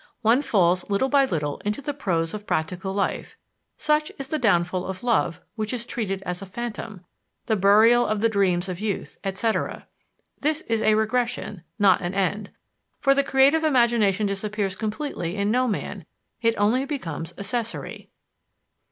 One falls little by little into the prose of practical life such is the downfall of love which is treated as a phantom, the burial of the dreams of youth, etc. This is a regression, not an end; for the creative imagination disappears completely in no man; it only becomes accessory.